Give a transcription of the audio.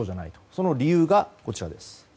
その理由が、こちらです。